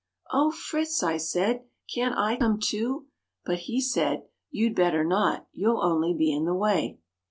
"Oh, Fritz!" I said, "can't I come too?" but he said, "You'd better not, you'll only be in the way.